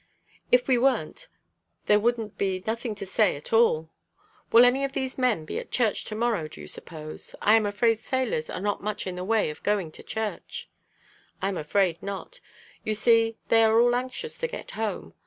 "If we weren't there would be nothing to say at all. Will any of these men be at church to morrow, do you suppose? I am afraid sailors are not much in the way of going to church?" "I am afraid not. You see they are all anxious to get home.